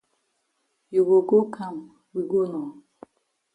You go go kam we go nor.